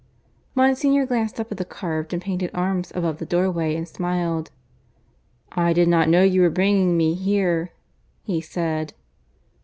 Monsignor glanced up at the carved and painted arms above the doorway and smiled. "I did not know you were bringing me here," he said.